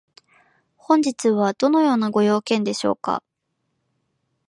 本日はどのようなご用件でしょうか？